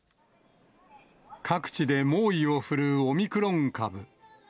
各地で猛威を振るうオミクロン株。